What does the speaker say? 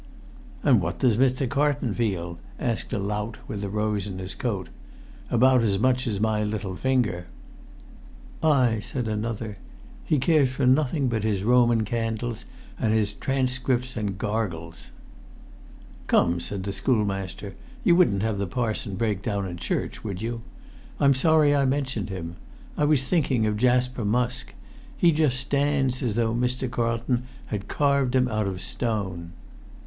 [Pg 4]"And what does Mr. Carlton feel?" asked a lout with a rose in his coat. "About as much as my little finger!" "Ay," said another, "he cares for nothing but his Roman candles, and his transcripts and gargles." Transepts and gargoyles. "Come," said the schoolmaster, "you wouldn't have the parson break down in church, would you? I'm sorry I mentioned him. I was thinking of Jasper Musk. He just stands as though Mr. Carlton had carved him out of stone."